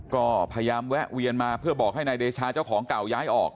ก็พยายามแวะเวียนมาเพื่อบอกให้นายเดชาเจ้าของเก่าย้ายออก